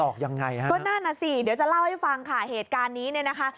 ยังไงฮะก็นั่นน่ะสิเดี๋ยวจะเล่าให้ฟังค่ะเหตุการณ์นี้เนี่ยนะคะ